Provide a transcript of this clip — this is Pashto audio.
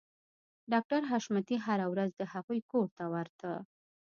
ډاکټر حشمتي هره ورځ د هغوی کور ته ورته